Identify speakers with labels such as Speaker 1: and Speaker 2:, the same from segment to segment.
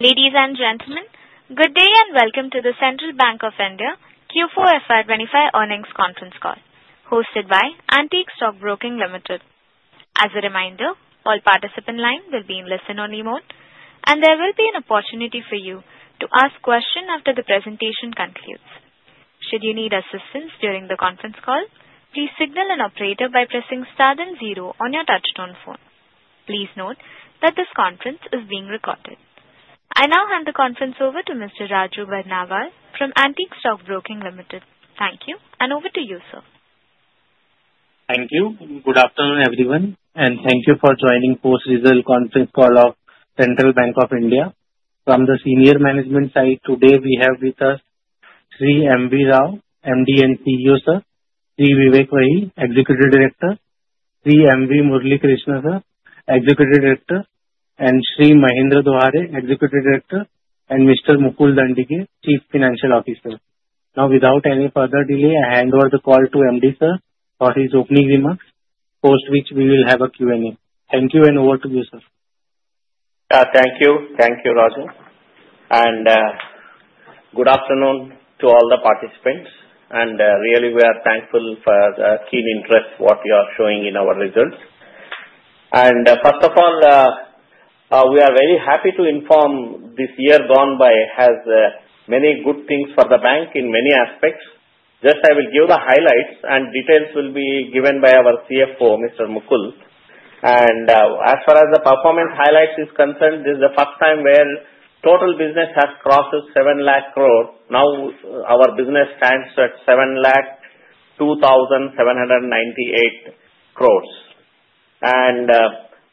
Speaker 1: Ladies and gentlemen, good day and welcome to the Central Bank of India Q4 FY25 earnings conference call, hosted by Antique Stock Broking Limited. As a reminder, all participants in line will be in listen-only mode, and there will be an opportunity for you to ask questions after the presentation concludes. Should you need assistance during the conference call, please signal an operator by pressing star then zero on your touch-tone phone. Please note that this conference is being recorded. I now hand the conference over to Mr. Raju Barnawal from Antique Stock Broking Limited. Thank you, and over to you, sir.
Speaker 2: Thank you. Good afternoon, everyone, and thank you for joining the post-result conference call of Central Bank of India. From the senior management side, today we have with us Sri M. V. Rao, MD and CEO, sir; Sri Vivek Wahi, Executive Director; Sri M. V. Murali Krishna, sir, Executive Director; and Sri Mahendra Dohare, Executive Director; and Mr. Mukul Dandige, Chief Financial Officer. Now, without any further delay, I hand over the call to MD, sir, for his opening remarks, post which we will have a Q&A. Thank you, and over to you, sir.
Speaker 3: Thank you. Thank you, Raju. Good afternoon to all the participants. We are thankful for the keen interest you are showing in our results. First of all, we are very happy to inform this year gone by has many good things for the bank in many aspects. I will give the highlights, and details will be given by our CFO, Mr. Mukul. As far as the performance highlights are concerned, this is the first time total business has crossed 7 trillion. Now, our business stands at 7,02,798 crore.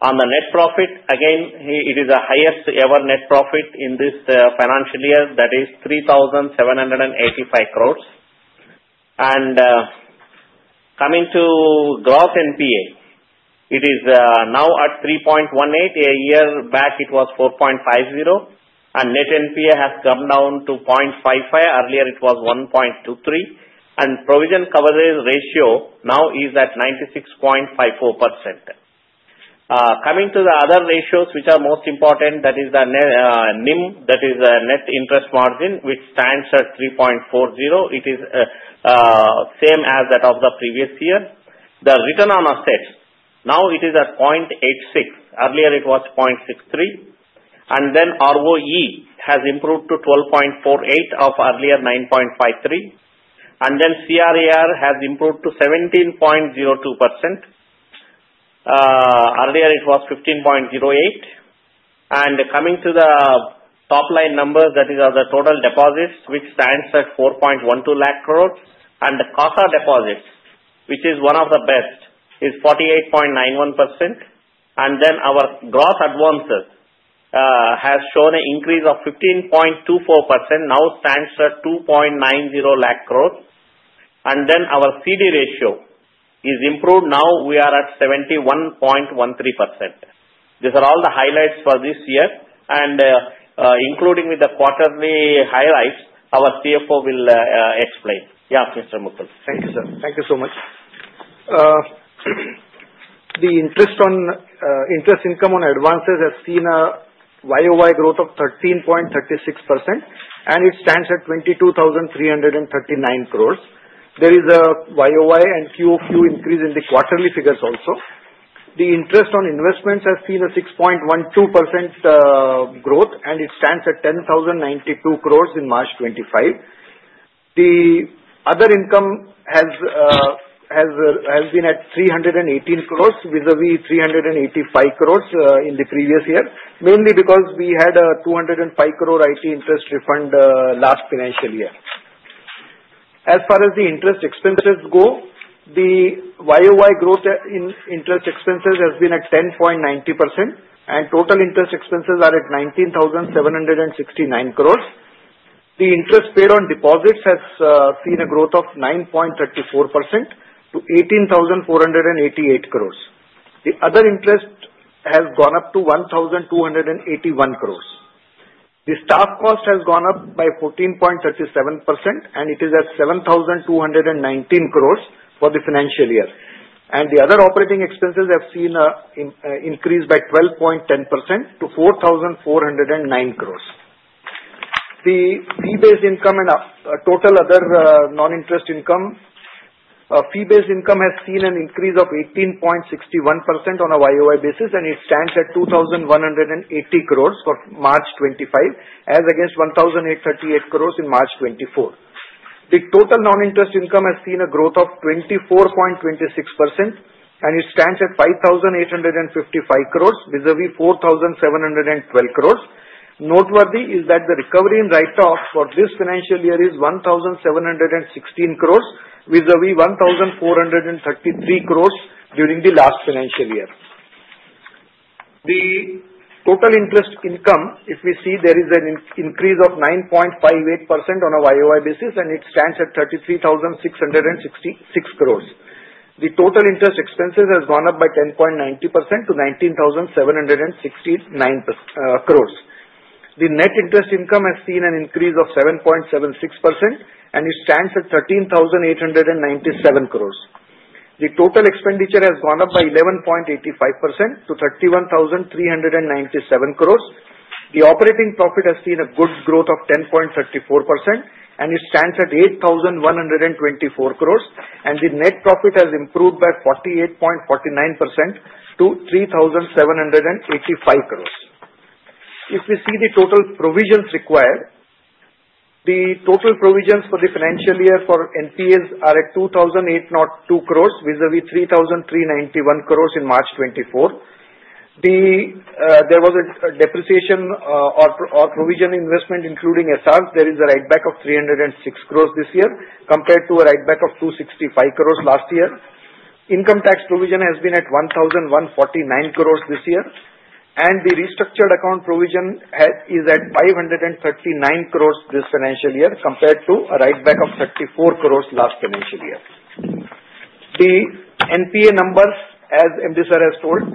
Speaker 3: On the net profit, again, it is the highest-ever net profit in this financial year, that is 3,785 crore. Coming to gross NPA, it is now at 3.18%. A year back, it was 4.50%, and net NPA has come down to 0.55%. Earlier, it was 1.23, and provision coverage ratio now is at 96.54%. Coming to the other ratios, which are most important, that is the NIM, that is the net interest margin, which stands at 3.40. It is the same as that of the previous year. The return on assets, now it is at 0.86. Earlier, it was 0.63. ROE has improved to 12.48 off earlier 9.53. CRAR has improved to 17.02%. Earlier, it was 15.08. Coming to the top-line numbers, that is the total deposits, which stands at 4.12 lakh crore, and the CASA deposits, which is one of the best, is 48.91%. Our gross advances have shown an increase of 15.24%, now stands at 2.90 lakh crore. Our CD ratio is improved. Now we are at 71.13%. These are all the highlights for this year, and including with the quarterly highlights, our CFO will explain. Yes, Mr. Mukul.
Speaker 4: Thank you, sir. Thank you so much. The interest income on advances has seen a year-over-year growth of 13.36%, and it stands at 22,339 crore. There is a year-over-year and quarter-over-quarter increase in the quarterly figures also. The interest on investments has seen a 6.12% growth, and it stands at 10,092 crore in March 2025. The other income has been at 318 crore vis-à-vis 385 crore in the previous year, mainly because we had an 205 crore IT interest refund last financial year. As far as the interest expenses go, the year-over-year growth in interest expenses has been at 10.90%, and total interest expenses are at INR 19,769 crore. The interest paid on deposits has seen a growth of 9.34% to INR 18,488 crore. The other interest has gone up to INR 1,281 crore. The staff cost has gone up by 14.37%, and it is at 7,219 crore for the financial year. The other operating expenses have seen an increase by 12.10% to 4,409 crore. The fee-based income and total other non-interest income, fee-based income has seen an increase of 18.61% on a year-over-year basis, and it stands at 2,180 crore for March 2025, as against 1,838 crore in March 2024. The total non-interest income has seen a growth of 24.26%, and it stands at 5,855 crore vis-à-vis 4,712 crore. Noteworthy is that the recovery in write-offs for this financial year is 1,716 crore vis-à-vis 1,433 crore during the last financial year. The total interest income, if we see, there is an increase of 9.58% on a year-over-year basis, and it stands at 33,666 crore. The total interest expenses have gone up by 10.90% to 19,769 crore. The net interest income has seen an increase of 7.76%, and it stands at 13,897 crore. The total expenditure has gone up by 11.85% to 31,397 crore. The operating profit has seen a good growth of 10.34%, and it stands at 8,124 crore. The net profit has improved by 48.49% to 3,785 crore. If we see the total provisions required, the total provisions for the financial year for NPAs are at 2,802 crore vis-à-vis 3,391 crore in March 2024. There was a depreciation or provision investment, including assets. There is a write-back of 306 crore this year compared to a write-back of 265 crore last year. Income tax provision has been at 1,149 crore this year, and the restructured account provision is at 539 crore this financial year compared to a write-back of 34 crore last financial year. The NPA numbers, as MD sir has told,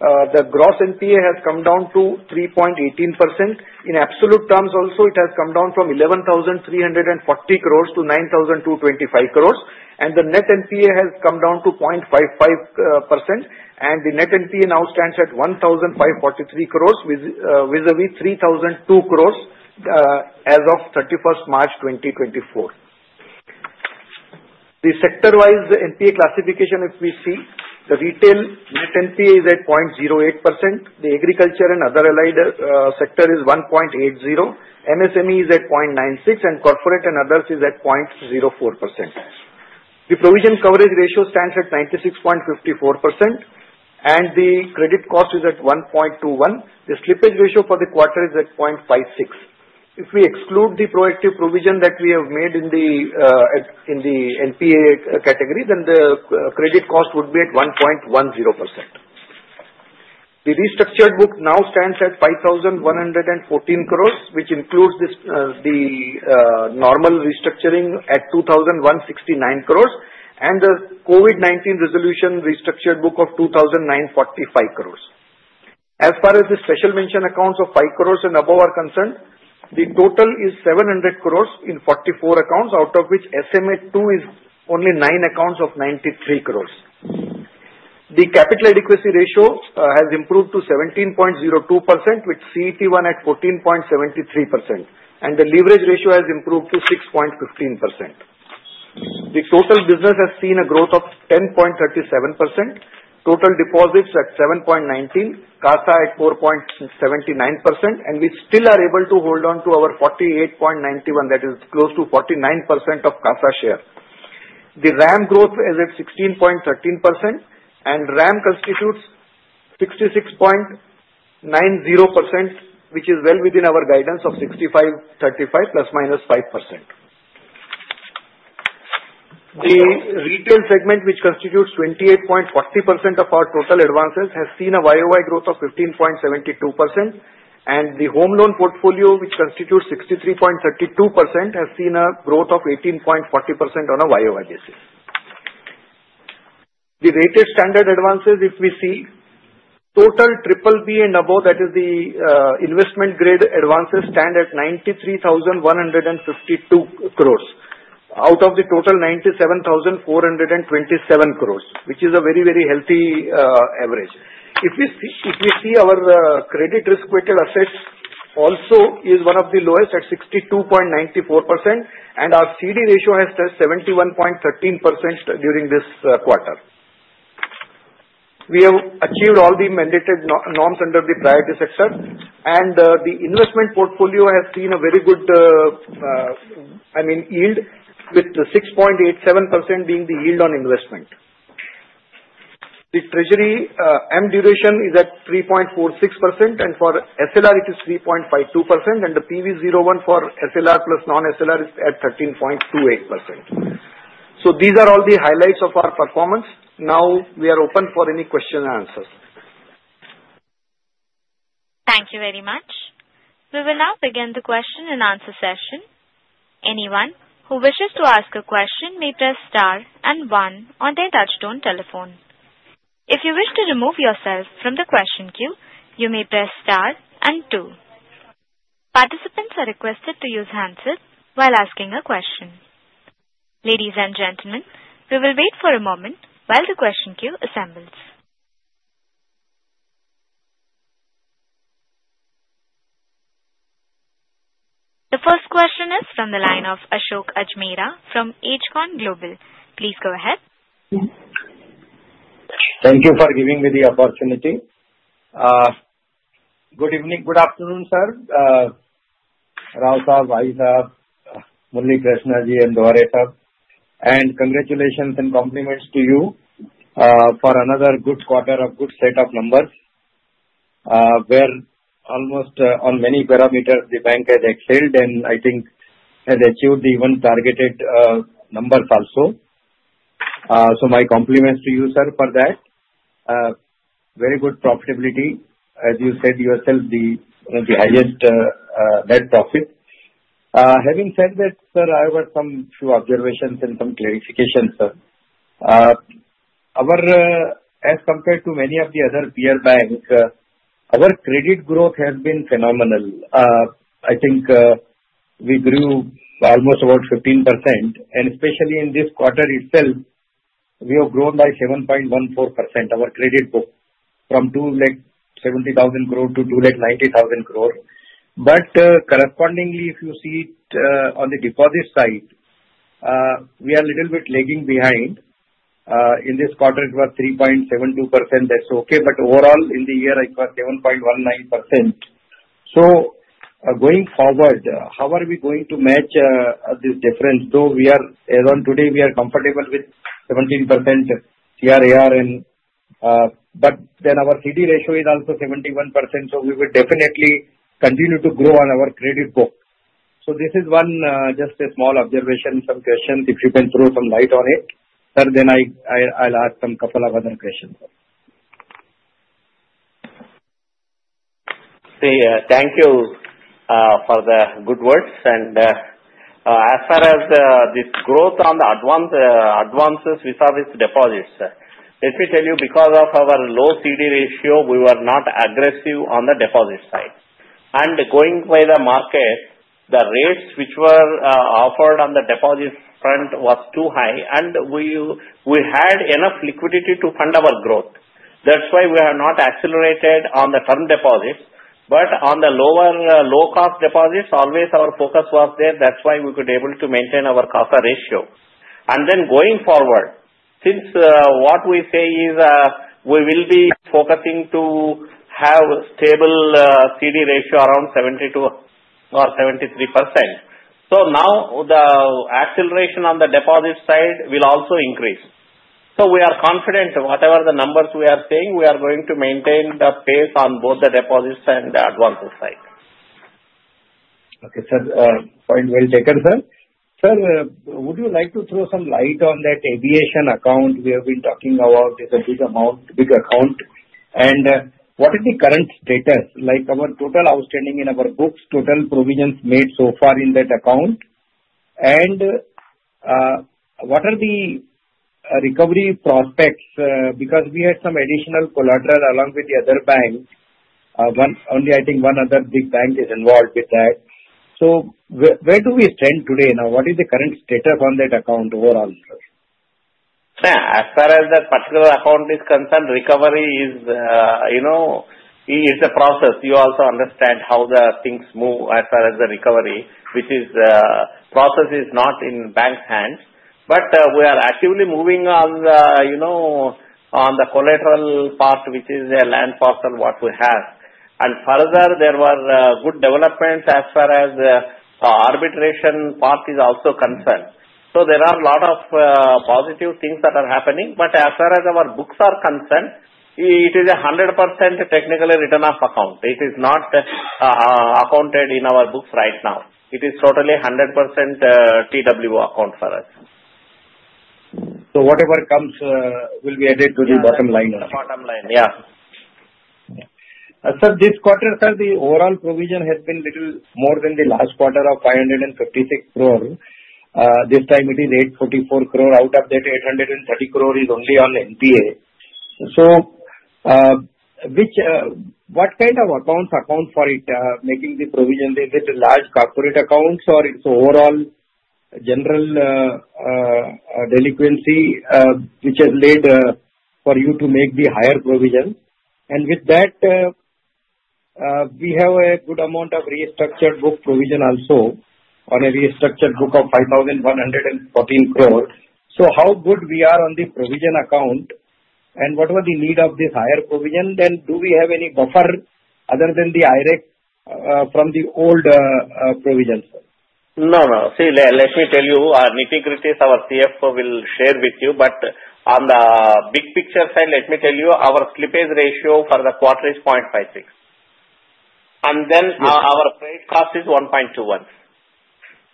Speaker 4: the gross NPA has come down to 3.18%. In absolute terms also, it has come down from 11,340 crore to 9,225 crore, and the net NPA has come down to 0.55%, and the net NPA now stands at 1,543 crore vis-à-vis 3,002 crore as of 31st March 2024. The sector-wise NPA classification, if we see, the retail net NPA is at 0.08%. The agriculture and other allied sector is 1.80%. MSME is at 0.96%, and corporate and others is at 0.04%. The provision coverage ratio stands at 96.54%, and the credit cost is at 1.21%. The slippage ratio for the quarter is at 0.56%. If we exclude the proactive provision that we have made in the NPA category, then the credit cost would be at 1.10%. The restructured book now stands at 5,114 crore, which includes the normal restructuring at 2,169 crore, and the COVID-19 resolution restructured book of 2,945 crore. As far as the special mention accounts of 50,000,000 and above are concerned, the total is 700 crore in 44 accounts, out of which SMA II is only 9 accounts of 93 crore. The capital adequacy ratio has improved to 17.02%, with CET1 at 14.73%, and the leverage ratio has improved to 6.15%. The total business has seen a growth of 10.37%, total deposits at 7.19%, CASA at 4.79%, and we still are able to hold on to our 48.91%, that is close to 49% of CASA share. The RAM growth is at 16.13%, and RAM constitutes 66.90%, which is well within our guidance of 65.35%, plus minus 5%. The retail segment, which constitutes 28.40% of our total advances, has seen a year-over-year growth of 15.72%, and the home loan portfolio, which constitutes 63.32%, has seen a growth of 18.40% on a year-over-year basis. The rated standard advances, if we see, total BBB and above, that is the investment-grade advances, stand at 93,152 crore, out of the total 97,427 crore, which is a very, very healthy average. If we see our credit risk-weighted assets, also is one of the lowest at 62.94%, and our CD ratio has tested 71.13% during this quarter. We have achieved all the mandated norms under the priority sector, and the investment portfolio has seen a very good, I mean, yield, with 6.87% being the yield on investment. The treasury Modified Duration is at 3.46%, and for SLR, it is 3.52%, and the PV01 for SLR plus non-SLR is at 13.28%. These are all the highlights of our performance. Now we are open for any questions and answers.
Speaker 1: Thank you very much. We will now begin the question and answer session. Anyone who wishes to ask a question may press star and one on their touch-tone telephone. If you wish to remove yourself from the question queue, you may press star and two. Participants are requested to use handsets while asking a question. Ladies and gentlemen, we will wait for a moment while the question queue assembles. The first question is from the line of Ashok Ajmera from Ajcon Global. Please go ahead.
Speaker 5: Thank you for giving me the opportunity. Good evening, good afternoon, sir, Rao sir, Wahi sir, Murli Krishna ji, and Duhare sir. Congratulations and compliments to you for another good quarter of good set of numbers, where almost on many parameters the bank has excelled, and I think has achieved even targeted numbers also. My compliments to you, sir, for that. Very good profitability. As you said yourself, the highest net profit. Having said that, sir, I have some observations and some clarifications, sir. As compared to many of the other peer banks, our credit growth has been phenomenal. I think we grew almost about 15%, and especially in this quarter itself, we have grown by 7.14%. Our credit book from 270,000 crore to 290,000 crore. Correspondingly, if you see it on the deposit side, we are a little bit lagging behind. In this quarter, it was 3.72%. That's okay. Overall, in the year, it was 7.19%. Going forward, how are we going to match this difference? Though we are, as of today, comfortable with 17% CRAR, our CD ratio is also 71%, so we will definitely continue to grow on our credit book. This is one, just a small observation, some questions. If you can throw some light on it, sir, then I'll ask a couple of other questions.
Speaker 3: Thank you for the good words. As far as this growth on the advances with our deposits, let me tell you, because of our low CD ratio, we were not aggressive on the deposit side. Going by the market, the rates which were offered on the deposit front were too high, and we had enough liquidity to fund our growth. That is why we have not accelerated on the term deposits, but on the lower low-cost deposits, always our focus was there. That is why we were able to maintain our CASA ratio. Going forward, since what we say is we will be focusing to have a stable CD ratio around 72-73%, now the acceleration on the deposit side will also increase. We are confident whatever the numbers we are saying, we are going to maintain the pace on both the deposits and the advances side.
Speaker 5: Okay, sir. Point well taken, sir. Sir, would you like to throw some light on that aviation account we have been talking about? It's a big amount, big account. What is the current status? Like our total outstanding in our books, total provisions made so far in that account, and what are the recovery prospects? Because we had some additional collateral along with the other banks. Only, I think one other big bank is involved with that. Where do we stand today? What is the current status on that account overall, sir?
Speaker 3: As far as that particular account is concerned, recovery is a process. You also understand how the things move as far as the recovery, which is a process not in the bank's hands, but we are actively moving on the collateral part, which is the land parcel what we have. Further, there were good developments as far as the arbitration part is also concerned. There are a lot of positive things that are happening, but as far as our books are concerned, it is a 100% technical write-off account. It is not accounted in our books right now. It is totally 100% TWO account for us.
Speaker 5: Whatever comes will be added to the bottom line?
Speaker 3: Bottom line, yeah.
Speaker 5: Sir, this quarter, sir, the overall provision has been a little more than the last quarter of 556 crore. This time, it is 844 crore. Out of that, 830 crore is only on NPA. What kind of accounts account for it, making the provision? Is it large corporate accounts, or it's overall general delinquency which has led for you to make the higher provision? We have a good amount of restructured book provision also on a restructured book of 5,114 crore. How good are we on the provision account, and what was the need of this higher provision? Do we have any buffer other than the IRAC from the old provisions?
Speaker 3: No, no. See, let me tell you, Mukul Dandige, our CFO, will share with you, but on the big picture side, let me tell you, our slippage ratio for the quarter is 0.56%. Our trade cost is 1.21%.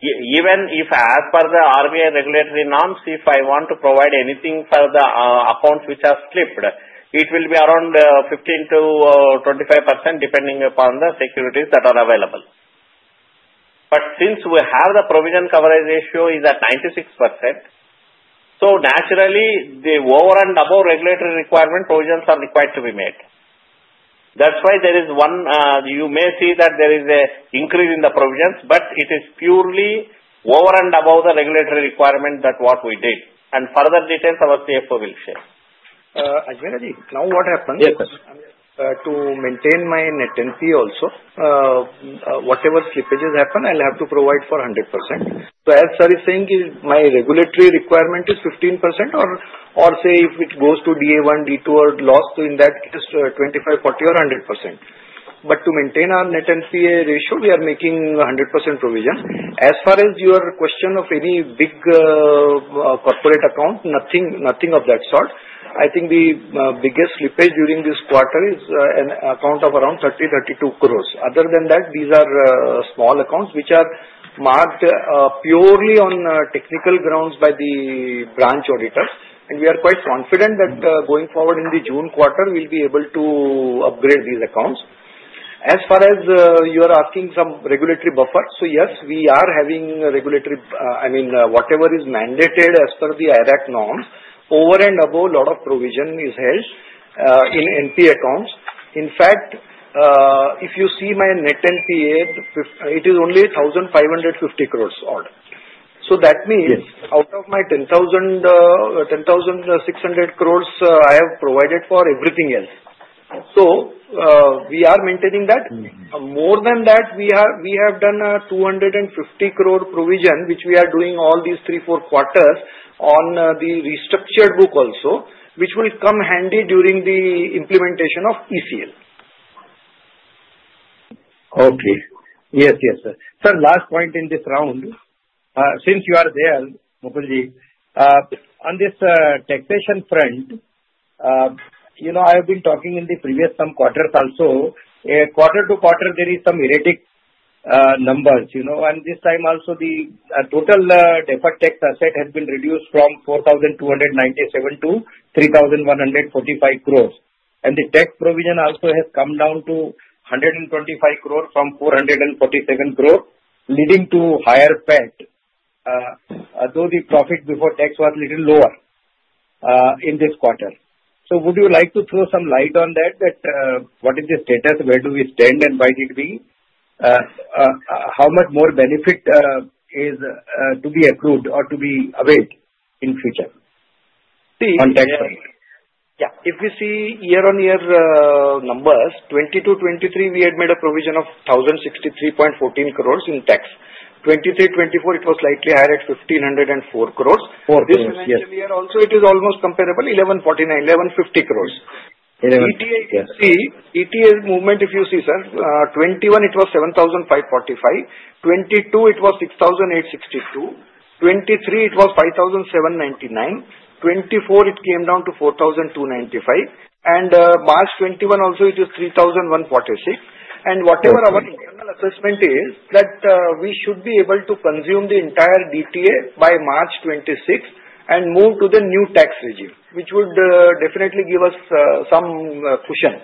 Speaker 3: Even if as per the RBI regulatory norms, if I want to provide anything for the accounts which are slipped, it will be around 15%-25% depending upon the securities that are available. Since we have the provision coverage ratio at 96%, naturally, the over and above regulatory requirement provisions are required to be made. That is why you may see that there is an increase in the provisions, but it is purely over and above the regulatory requirement that we did. Further details, our CFO will share.
Speaker 4: Ajmera ji, now what happens?
Speaker 6: Yes, sir.
Speaker 4: To maintain my net NPA also, whatever slippages happen, I'll have to provide for 100%. As sir is saying, my regulatory requirement is 15%, or say if it goes to DA1, D2, or loss, in that case, 25%, 40%, or 100%. To maintain our net NPA ratio, we are making 100% provision. As far as your question of any big corporate account, nothing of that sort. I think the biggest slippage during this quarter is an account of around 30 crore-32 crore. Other than that, these are small accounts which are marked purely on technical grounds by the branch auditors, and we are quite confident that going forward in the June quarter, we'll be able to upgrade these accounts. As far as you are asking some regulatory buffer, yes, we are having regulatory, I mean, whatever is mandated as per the IRAC norms, over and above, a lot of provision is held in NPA accounts. In fact, if you see my net NPA, it is only 1,550 crore odd. That means out of my 10,600 crore I have provided for everything else. We are maintaining that. More than that, we have done 250 crore provision, which we are doing all these three, four quarters on the restructured book also, which will come handy during the implementation of ECL.
Speaker 5: Okay. Yes, yes, sir. Sir, last point in this round, since you are there, Mukul ji, on this taxation front, I have been talking in the previous some quarters also. Quarter to quarter, there is some erratic numbers. This time also, the total deferred tax asset has been reduced from 4,297 crore to 3,145 crore. The tax provision also has come down to 125 crore from 447 crore, leading to higher PAT, though the profit before tax was a little lower in this quarter. Would you like to throw some light on that? What is the status? Where do we stand, and why did we? How much more benefit is to be accrued or to be availed in future on tax?
Speaker 4: Yeah. If you see year-on-year numbers, 2022-2023, we had made a provision of 1,063.14 crore in tax. 2023-2024, it was slightly higher at 1,504 crore. This financial year also, it is almost comparable, 1,149, 1,150 crore. DTA movement, if you see, sir, 2021, it was 7,545. 2022, it was 6,862. 2023, it was 5,799. 2024, it came down to 4,295. March 2021 also, it is 3,146. Whatever our internal assessment is, that we should be able to consume the entire DTA by March 2026 and move to the new tax regime, which would definitely give us some cushion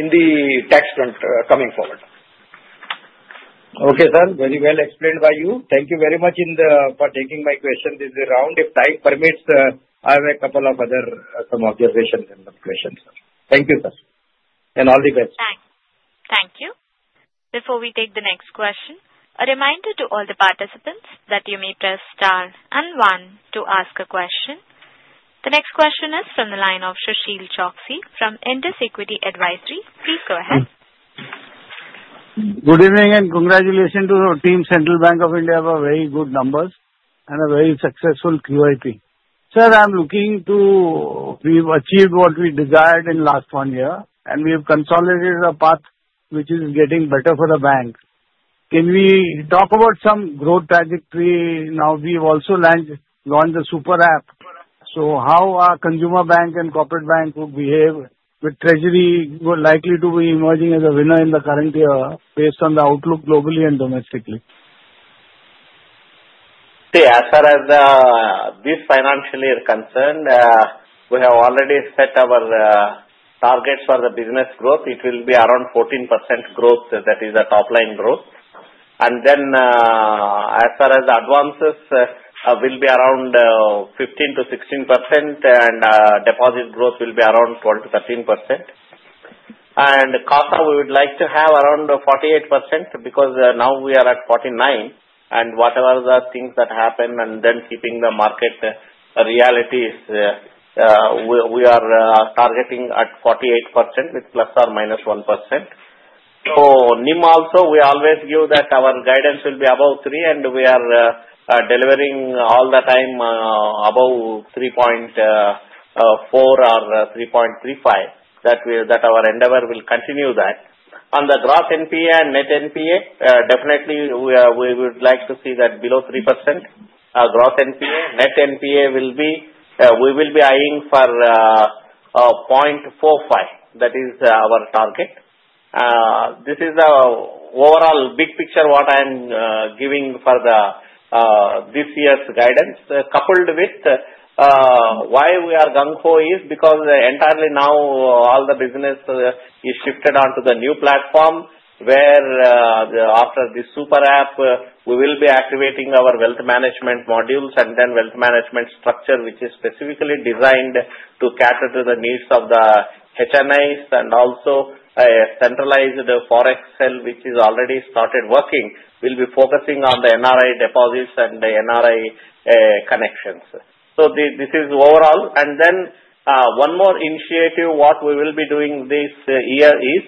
Speaker 4: in the tax front coming forward.
Speaker 5: Okay, sir. Very well explained by you. Thank you very much for taking my question this round. If time permits, I have a couple of other some observations and some questions. Thank you, sir. All the best.
Speaker 1: Thank you. Before we take the next question, a reminder to all the participants that you may press star and one to ask a question. The next question is from the line of Sushil Choksey from Indus Equity Advisors. Please go ahead.
Speaker 7: Good evening and congratulations to our team. Central Bank of India have very good numbers and a very successful QIP. Sir, I'm looking to we've achieved what we desired in the last one year, and we have consolidated a path which is getting better for the bank. Can we talk about some growth trajectory? Now, we've also launched the super app. How are consumer bank and corporate bank would behave with treasury likely to be emerging as a winner in the current year based on the outlook globally and domestically?
Speaker 3: See, as far as this financial year concerned, we have already set our targets for the business growth. It will be around 14% growth. That is the top-line growth. As far as advances, will be around 15-16%, and deposit growth will be around 12-13%. CASA, we would like to have around 48% because now we are at 49%. Whatever the things that happen, keeping the market reality, we are targeting at 48% with plus or minus 1%. NIM also, we always give that our guidance will be above 3, and we are delivering all the time above 3.4 or 3.35. Our endeavor will continue that. On the gross NPA and net NPA, definitely we would like to see that below 3% gross NPA. Net NPA will be we will be eyeing for 0.45. That is our target. This is the overall big picture what I'm giving for this year's guidance, coupled with why we are gung ho is because entirely now all the business is shifted onto the new platform where after the super app, we will be activating our wealth management modules and then wealth management structure which is specifically designed to cater to the needs of the HNIs and also a centralized forex cell which is already started working. We will be focusing on the NRI deposits and the NRI connections. This is overall. One more initiative what we will be doing this year is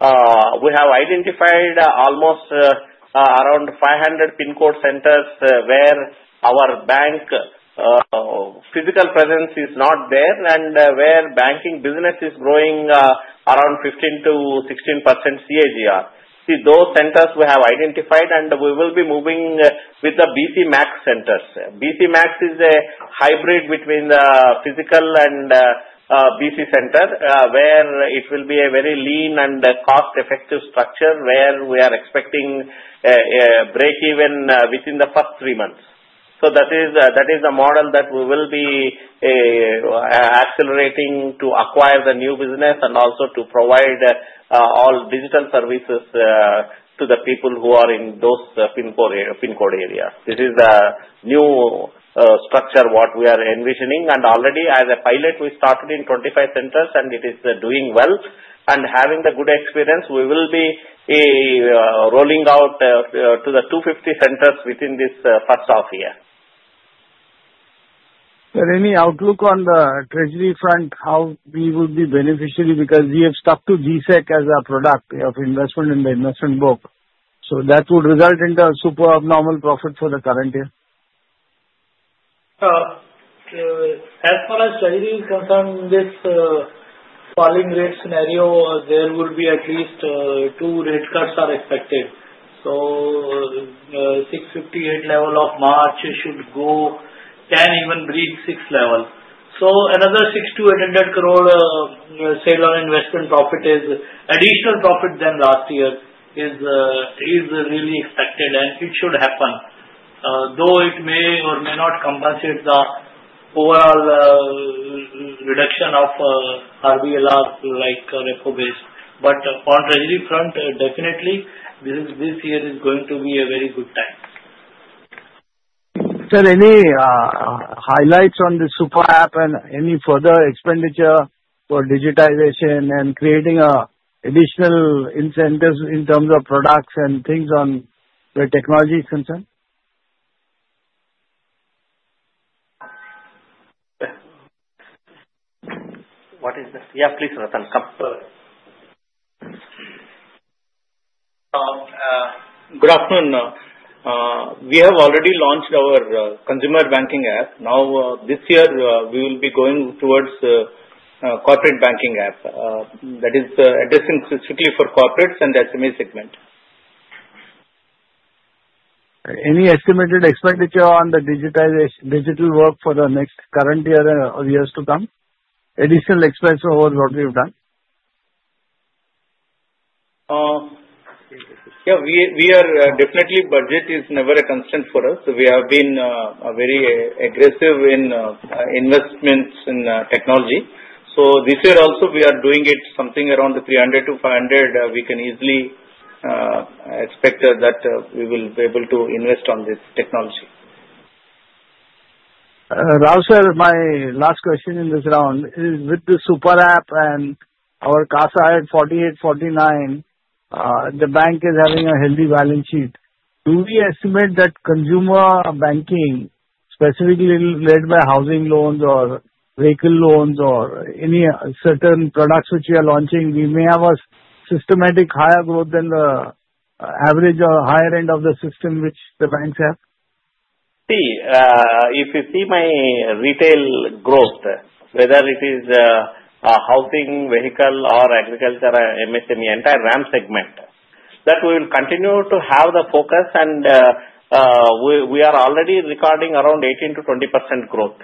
Speaker 3: we have identified almost around 500 PIN code centers where our bank physical presence is not there and where banking business is growing around 15%-16% CAGR. Those centers we have identified, and we will be moving with the BC MAXX centers. BC MAXX is a hybrid between the physical and BC center where it will be a very lean and cost-effective structure where we are expecting a break-even within the first three months. That is the model that we will be accelerating to acquire the new business and also to provide all digital services to the people who are in those PIN code areas. This is the new structure what we are envisioning. Already as a pilot, we started in 25 centers, and it is doing well. Having the good experience, we will be rolling out to the 250 centers within this first half year.
Speaker 7: Sir, any outlook on the treasury front how we will be beneficiary because we have stuck to G-Sec as a product of investment in the investment book? So that would result in a super abnormal profit for the current year?
Speaker 4: As far as treasury is concerned, this falling rate scenario, there will be at least two rate cuts are expected. 6.58 level of March should go can even breach 6 level. Another 600 crore-800 crore sale on investment profit is additional profit than last year is really expected, and it should happen. Though it may or may not compensate the overall reduction of RBLR like repo-based. On treasury front, definitely this year is going to be a very good time.
Speaker 7: Sir, any highlights on the super app and any further expenditure for digitization and creating additional incentives in terms of products and things on where technology is concerned?
Speaker 3: What is this? Yeah, please, Ratan. Come.
Speaker 5: Good afternoon. We have already launched our consumer banking app. Now, this year, we will be going towards corporate banking app. That is addressing specifically for corporates and the SME segment. Any estimated expenditure on the digital work for the next current year and years to come? Additional expense over what we have done? Yeah, we are definitely budget is never a constant for us. We have been very aggressive in investments in technology. This year also, we are doing it something around 300-500. We can easily expect that we will be able to invest on this technology.
Speaker 7: Rao, sir, my last question in this round is with the super app and our CASA at 48-49%, the bank is having a healthy balance sheet. Do we estimate that consumer banking, specifically led by housing loans or vehicle loans or any certain products which we are launching, we may have a systematic higher growth than the average or higher end of the system which the banks have?
Speaker 5: See, if you see my retail growth, whether it is housing, vehicle, or agriculture, MSME, entire RAM segment, that we will continue to have the focus, and we are already recording around 18%-20% growth.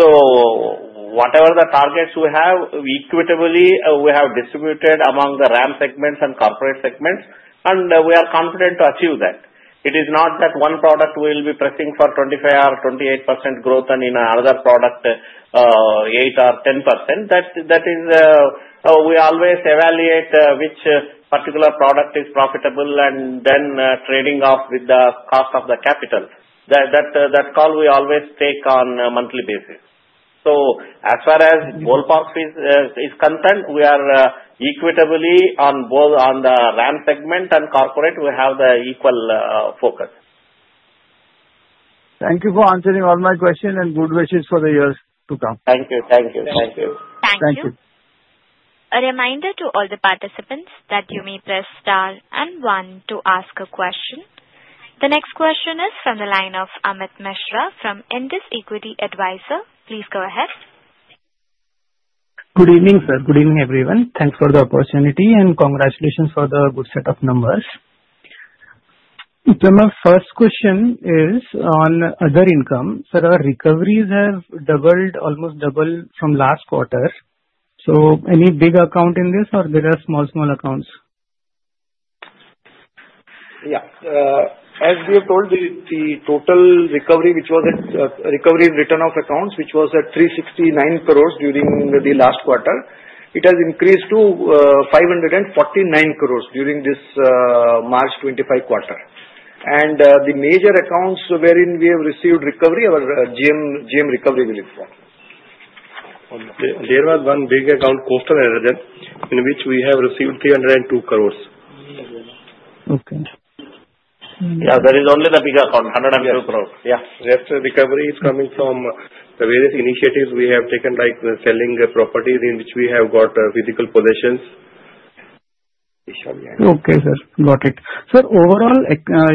Speaker 5: Whatever the targets we have, equitably we have distributed among the RAM segments and corporate segments, and we are confident to achieve that. It is not that one product will be pressing for 25% or 28% growth and in another product 8% or 10%. We always evaluate which particular product is profitable and then trading off with the cost of the capital. That call we always take on a monthly basis. As far as ballpark fees is concerned, we are equitably on both on the RAM segment and corporate, we have the equal focus.
Speaker 7: Thank you for answering all my questions and good wishes for the years to come.
Speaker 5: Thank you.
Speaker 1: Thank you. A reminder to all the participants that you may press star and one to ask a question. The next question is from the line of Amit Mishra from Indus Equity Advisors. Please go ahead.
Speaker 8: Good evening, sir. Good evening, everyone. Thanks for the opportunity and congratulations for the good set of numbers. Sir, my first question is on other income. Sir, our recoveries have doubled, almost doubled from last quarter. Any big account in this or are there small, small accounts?
Speaker 3: Yeah. As we have told, the total recovery which was at recovery in written-off accounts which was at 369 crore during the last quarter, it has increased to 549 crore during this March 2025 quarter. The major accounts wherein we have received recovery, our GM recovery will inform.
Speaker 4: There was one big account, Coastal Energen, in which we have received 302 crore.
Speaker 8: Okay.
Speaker 4: Yeah, there is only the big account, 102 crore. Yeah. Rest of the recovery is coming from the various initiatives we have taken like selling property in which we have got physical possessions.
Speaker 8: Okay, sir. Got it. Sir, overall,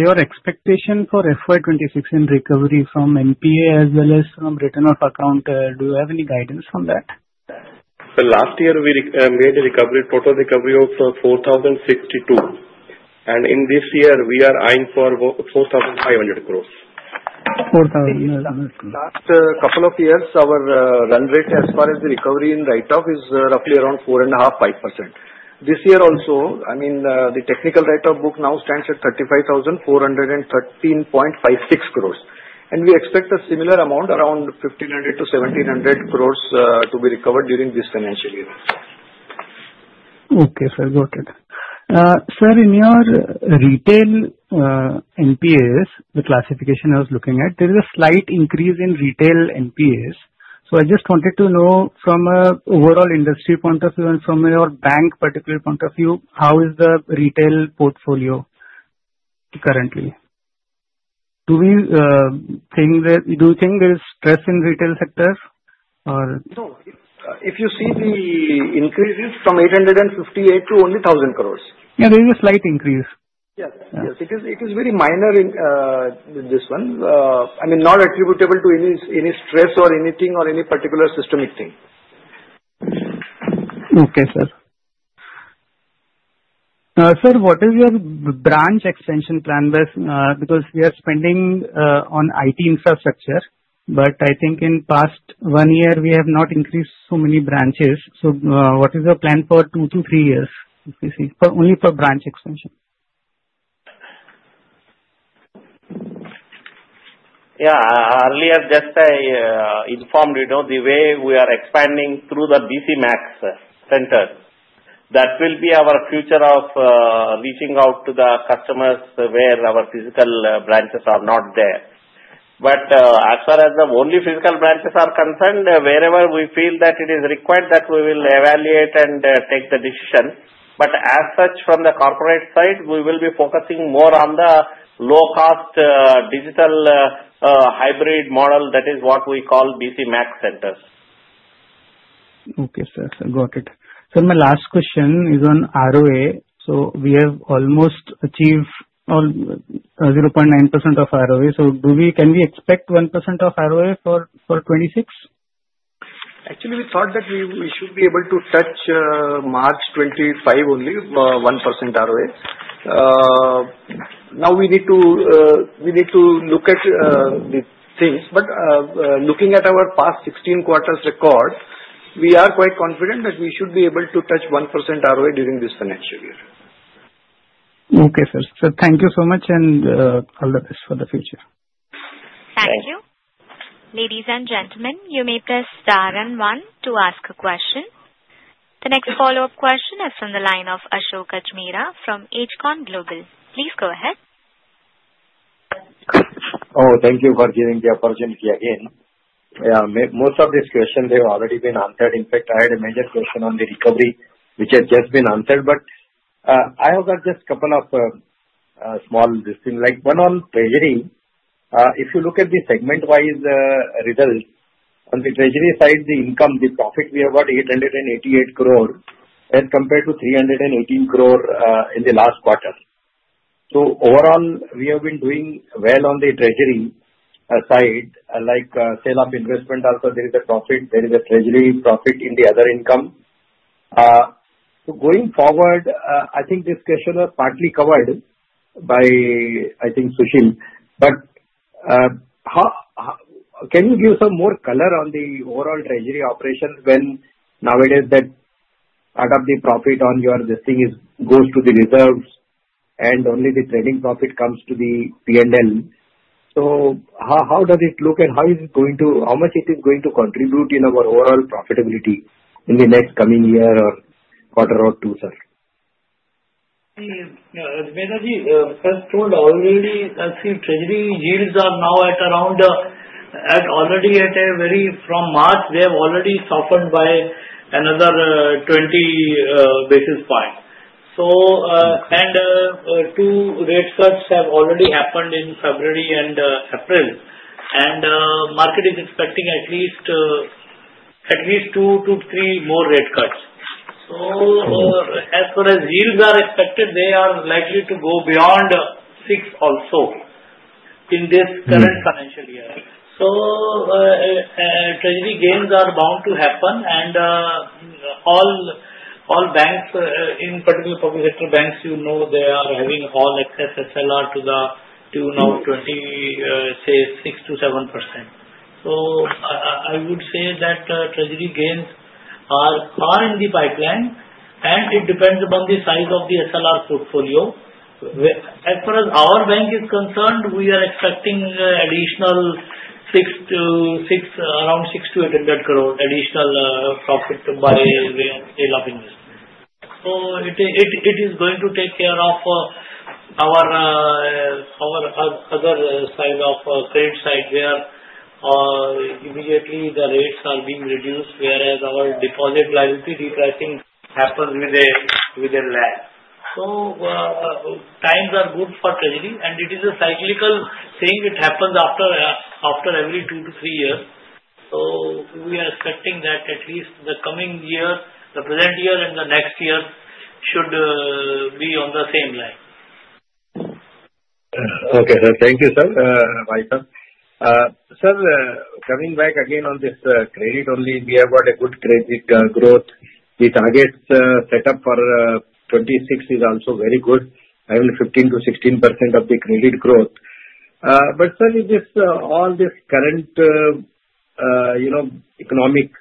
Speaker 8: your expectation for FY 2026 and recovery from NPA as well as from return of account, do you have any guidance on that?
Speaker 4: Last year, we made a recovery, total recovery of 4,062 crore. In this year, we are eyeing for 4,500 crore.
Speaker 8: 4,500 crores.
Speaker 4: Last couple of years, our run rate as far as the recovery in write-off is roughly around 4.5-5%. This year also, I mean, the technical write-off book now stands at 35,413.56 crore. We expect a similar amount, around 1,500-1,700 crore to be recovered during this financial year.
Speaker 8: Okay, sir. Got it. Sir, in your retail NPAs, the classification I was looking at, there is a slight increase in retail NPAs. I just wanted to know from an overall industry point of view and from your bank particular point of view, how is the retail portfolio currently? Do we think there is stress in retail sector or?
Speaker 4: No. If you see the increase, it's from 858 crore to only 1,000 crore.
Speaker 8: Yeah, there is a slight increase.
Speaker 4: Yes. Yes. It is very minor in this one. I mean, not attributable to any stress or anything or any particular systemic thing.
Speaker 8: Okay, sir. Sir, what is your branch extension plan because we are spending on IT infrastructure, but I think in past one year, we have not increased so many branches. What is your plan for two to three years only for branch extension?
Speaker 3: Yeah. Earlier, just I informed you the way we are expanding through the BC MAXX centers. That will be our future of reaching out to the customers where our physical branches are not there. As far as the only physical branches are concerned, wherever we feel that it is required, that we will evaluate and take the decision. As such from the corporate side, we will be focusing more on the low-cost digital hybrid model. That is what we call BC MAXX centers.
Speaker 8: Okay, sir. Got it. Sir, my last question is on ROA. We have almost achieved 0.9% of ROA. Can we expect 1% of ROA for 2026?
Speaker 4: Actually, we thought that we should be able to touch March 2025 only 1% ROA. Now, we need to look at the things. Looking at our past 16 quarters record, we are quite confident that we should be able to touch 1% ROA during this financial year.
Speaker 8: Okay, sir. Sir, thank you so much and all the best for the future.
Speaker 1: Thank you. Ladies and gentlemen, you may press star and one to ask a question. The next follow-up question is from the line of Ashok Ajmera from Ajcon Global. Please go ahead.
Speaker 9: Oh, thank you for giving the opportunity again. Most of these questions have already been answered. In fact, I had a major question on the recovery which had just been answered. I have just a couple of small listing. Like one on treasury, if you look at the segment-wise results, on the treasury side, the income, the profit we have got 888 crore as compared to 318 crore in the last quarter. Overall, we have been doing well on the treasury side. Like sale of investment, also there is a profit. There is a treasury profit in the other income. Going forward, I think this question was partly covered by, I think, Shashil. Can you give some more color on the overall treasury operation when nowadays that part of the profit on your listing goes to the reserves and only the trading profit comes to the P&L? How does it look and how is it going to, how much is it going to contribute in our overall profitability in the next coming year or quarter or two, sir?
Speaker 3: As MD ji first told already, I see treasury yields are now at around already at a very from March, they have already softened by another 20 basis points. Two rate cuts have already happened in February and April. Market is expecting at least two to three more rate cuts. As far as yields are expected, they are likely to go beyond 6 also in this current financial year. Treasury gains are bound to happen. All banks, in particular public sector banks, you know they are having all excess SLR to now 20, say 6-7%. I would say that treasury gains are in the pipeline. It depends upon the size of the SLR portfolio. As far as our bank is concerned, we are expecting additional around 600 crore-800 crore additional profit by sale of investment. It is going to take care of our other side of credit side where immediately the rates are being reduced, whereas our deposit liability depreciation happens with a lag. Times are good for treasury. It is a cyclical thing. It happens after every two to three years. We are expecting that at least the coming year, the present year, and the next year should be on the same line.
Speaker 9: Okay, sir. Thank you, sir. Sir, coming back again on this credit only, we have got a good credit growth. The target set up for 2026 is also very good. I mean, 15-16% of the credit growth. Sir, all this current economic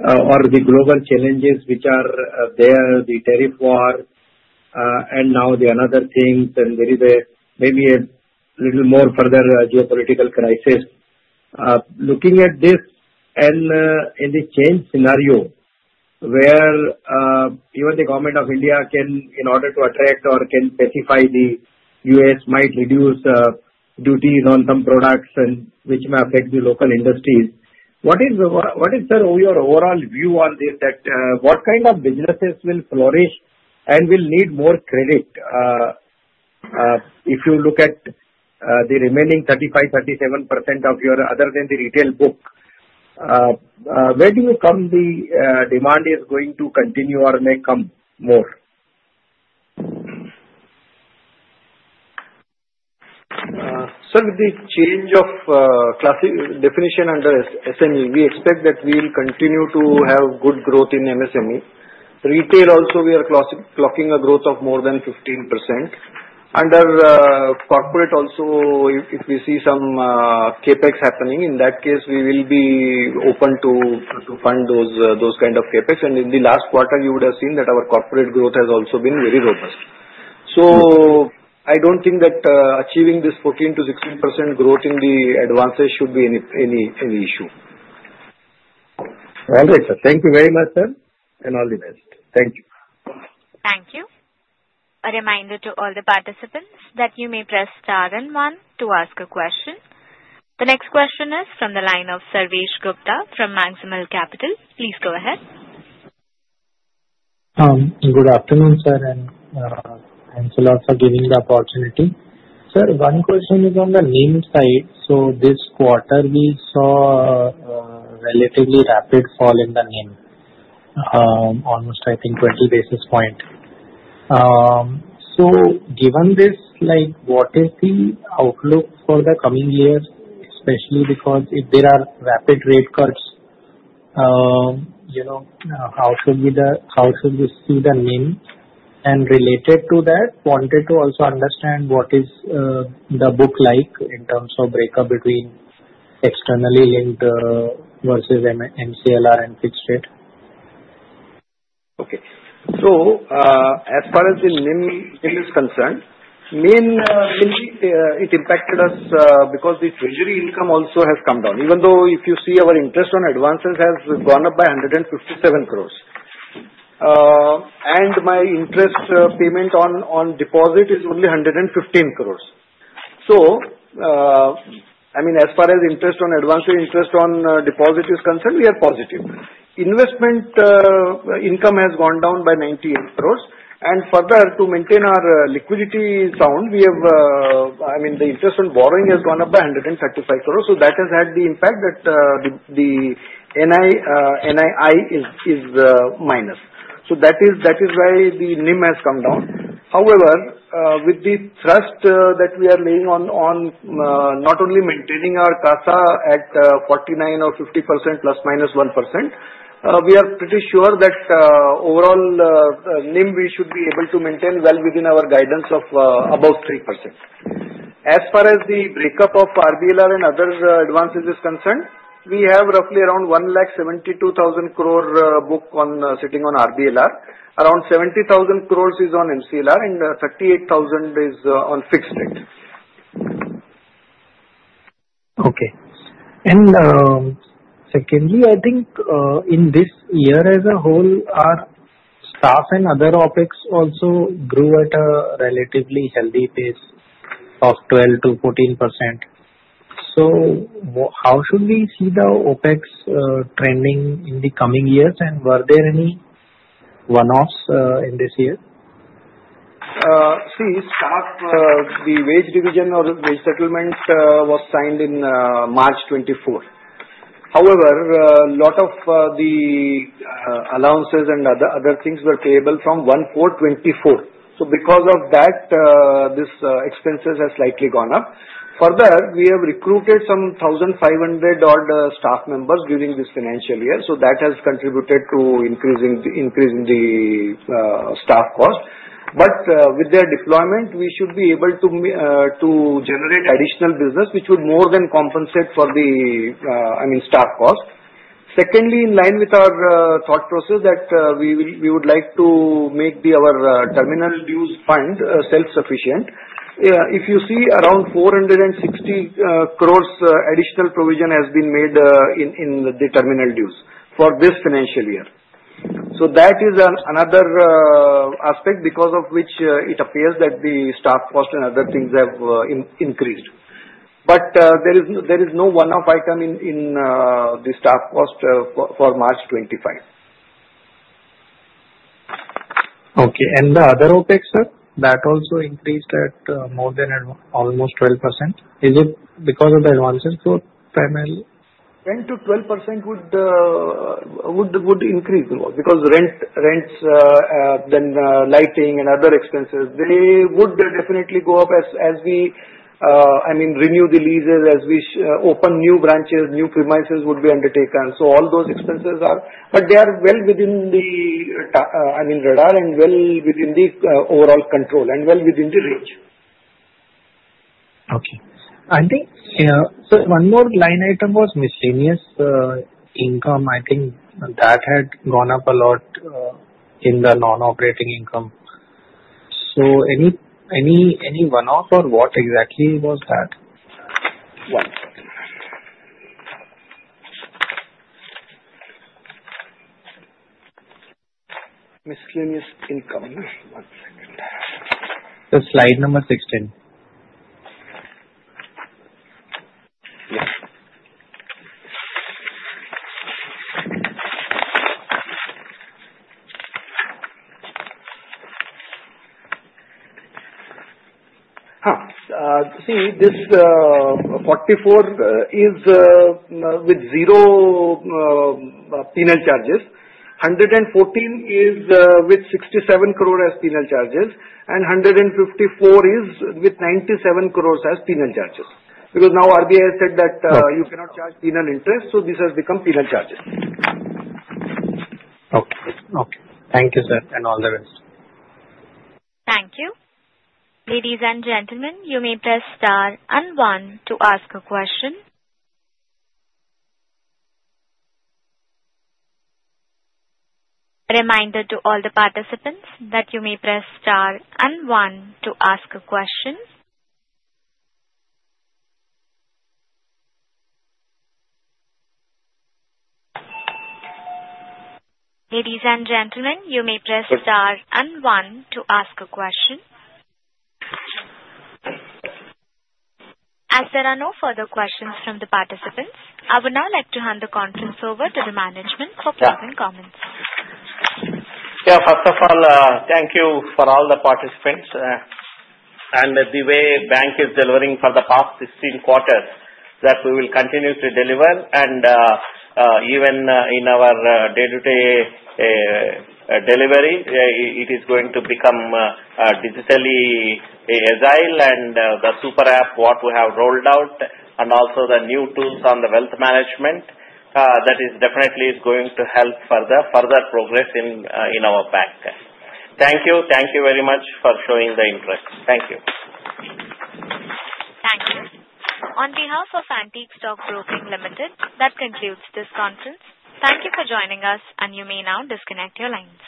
Speaker 9: or the global challenges which are there, the tariff war, and now the other things, and there is maybe a little more further geopolitical crisis. Looking at this and in the changed scenario where even the government of India can, in order to attract or can pacify the U.S., might reduce duties on some products which may affect the local industries, what is your overall view on this? What kind of businesses will flourish and will need more credit? If you look at the remaining 35-37% of your other than the retail book, where do you come the demand is going to continue or may come more?
Speaker 4: Sir, with the change of definition under SME, we expect that we will continue to have good growth in MSME. Retail also, we are clocking a growth of more than 15%. Under corporate also, if we see some CapEx happening, in that case, we will be open to fund those kind of CapEx. In the last quarter, you would have seen that our corporate growth has also been very robust. I do not think that achieving this 14-16% growth in the advances should be any issue.
Speaker 9: All right, sir. Thank you very much, sir. All the best. Thank you.
Speaker 1: Thank you. A reminder to all the participants that you may press star and one to ask a question. The next question is from the line of Sarvesh Gupta from Maximal Capital. Please go ahead.
Speaker 10: Good afternoon, sir. Thanks a lot for giving the opportunity. Sir, one question is on the NIM side. This quarter, we saw a relatively rapid fall in the NIM, almost I think 20 basis points. Given this, what is the outlook for the coming years, especially because if there are rapid rate cuts, how should we see the NIM? Related to that, wanted to also understand what is the book like in terms of breakup between externally linked versus MCLR and fixed rate.
Speaker 4: Okay. As far as the NIM is concerned, mainly it impacted us because the treasury income also has come down. Even though if you see our interest on advances has gone up by 157 crore. And my interest payment on deposit is only 115 crore. I mean, as far as interest on advance or interest on deposit is concerned, we are positive. Investment income has gone down by 98 crore. Further, to maintain our liquidity sound, I mean, the interest on borrowing has gone up by 135 crore. That has had the impact that the NII is minus. That is why the NIM has come down. However, with the thrust that we are laying on not only maintaining our CASA at 49% or 50% plus minus 1%, we are pretty sure that overall NIM we should be able to maintain well within our guidance of above 3%. As far as the breakup of RBLR and other advances is concerned, we have roughly around 1,72,000 crore book sitting on RBLR. Around 70,000 crore is on MCLR and 38,000 crore is on fixed rate.
Speaker 10: Okay. Secondly, I think in this year as a whole, our staff and other OpEx also grew at a relatively healthy pace of 12%-14%. How should we see the OpEx trending in the coming years? Were there any one-offs in this year?
Speaker 4: See, staff, the wage division or wage settlement was signed in March 2024. However, a lot of the allowances and other things were payable from April 1, 2024. Because of that, these expenses have slightly gone up. Further, we have recruited some 1,500-odd staff members during this financial year. That has contributed to increasing the staff cost. With their deployment, we should be able to generate additional business which would more than compensate for the, I mean, staff cost. Secondly, in line with our thought process that we would like to make our terminal dues fund self-sufficient, if you see, around 460 crore additional provision has been made in the terminal dues for this financial year. That is another aspect because of which it appears that the staff cost and other things have increased. There is no one-off item in the staff cost for March 2025.
Speaker 10: Okay. The other OpEx, sir, that also increased at more than almost 12%. Is it because of the advances for primary?
Speaker 4: 10-12% would increase because rents, then lighting and other expenses, they would definitely go up as we, I mean, renew the leases, as we open new branches, new premises would be undertaken. All those expenses are, but they are well within the, I mean, radar and well within the overall control and well within the range.
Speaker 10: Okay. I think, sir, one more line item was miscellaneous income. I think that had gone up a lot in the non-operating income. Any one-off or what exactly was that?
Speaker 4: One-off. Miscellaneous income. One second.
Speaker 10: The slide number 16.
Speaker 4: Yes. See, this 44 is with zero penal charges. 114 is with 67 crore as penal charges. 154 is with 97 crore as penal charges. Because now RBI has said that you cannot charge penal interest. This has become penal charges.
Speaker 10: Okay. Okay. Thank you, sir. All the rest.
Speaker 1: Thank you. Ladies and gentlemen, you may press star and one to ask a question. Reminder to all the participants that you may press star and one to ask a question. Ladies and gentlemen, you may press star and one to ask a question. As there are no further questions from the participants, I would now like to hand the conference over to the management for closing comments.
Speaker 3: First of all, thank you for all the participants. The way bank is delivering for the past 16 quarters, that we will continue to deliver. Even in our day-to-day delivery, it is going to become digitally agile. The super app, what we have rolled out, and also the new tools on the wealth management, that is definitely going to help further progress in our bank. Thank you. Thank you very much for showing the interest. Thank you.
Speaker 1: Thank you. On behalf of Antique Stock Broking Limited, that concludes this conference. Thank you for joining us, and you may now disconnect your lines.